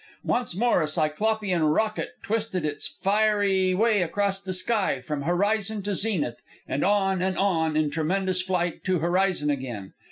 Once more a cyclopean rocket twisted its fiery way across the sky, from horizon to zenith, and on, and on, in tremendous flight, to horizon again.